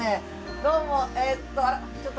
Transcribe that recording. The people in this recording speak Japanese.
どうもえっと